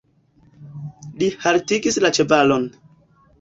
Li haltigis la ĉevalon.